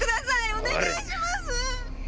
お願いします！